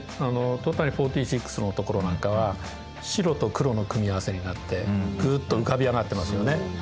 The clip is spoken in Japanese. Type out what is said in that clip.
「戸谷４６」のところなんかは白と黒の組み合わせになってグッと浮かび上がってますよね。